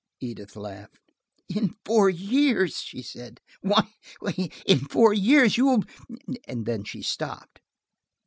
Edith laughed. "In four years!" she said, "Why, in four years you'll–" then she stopped.